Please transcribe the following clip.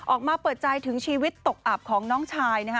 ออกมาเปิดใจถึงชีวิตตกอับของน้องชายนะฮะ